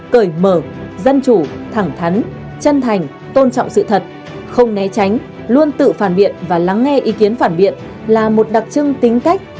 cởi mở dân chủ thẳng thắn chân thành tôn trọng sự thật không né tránh luôn tự phản biện và lắng nghe ý kiến phản biện là một đặc trưng tính cách